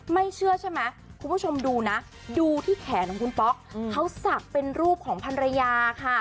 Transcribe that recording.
เชื่อใช่ไหมคุณผู้ชมดูนะดูที่แขนของคุณป๊อกเขาศักดิ์เป็นรูปของพันรยาค่ะ